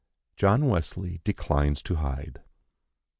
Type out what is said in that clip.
John Wesley declines to hide.